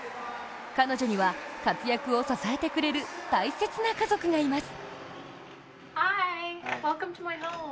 彼女には活躍を支えてくれる大切な家族がいます。